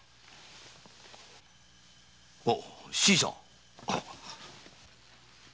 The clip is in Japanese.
あ新さん？